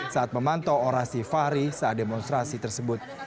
saat memantau orasi fahri saat demonstrasi tersebut